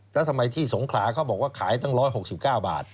แล้วทำไมที่สงขลาเขาบอกว่าขายตั้ง๑๖๙บาท